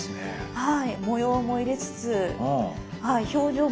はい。